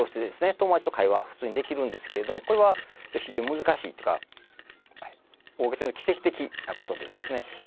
友達と会話普通にできるんですけれどもこれは非常に難しいというか大げさに言うと奇跡的なことでですね。